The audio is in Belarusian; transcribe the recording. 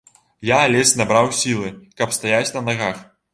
Я ледзь набраў сілы, каб стаяць на нагах.